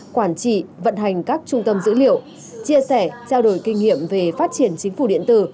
quản trị vận hành các trung tâm dữ liệu chia sẻ trao đổi kinh nghiệm về phát triển chính phủ điện tử